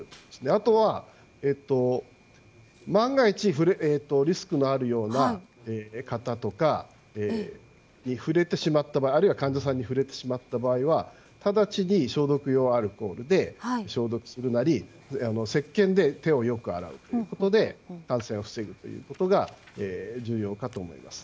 あとは、万が一リスクのあるような方に触れてしまった場合、あるいは患者さんに触れてしまった場合はただちに消毒用アルコールで消毒するなりせっけんで手をよく洗うということで感染を防ぐということが重要かと思います。